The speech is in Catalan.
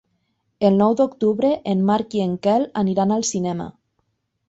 El nou d'octubre en Marc i en Quel aniran al cinema.